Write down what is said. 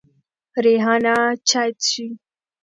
ریحانه چای څکې.